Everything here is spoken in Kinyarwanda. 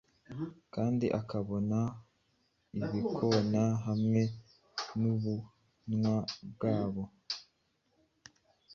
Kandi abona ibikona hamwe nubunwa bwazo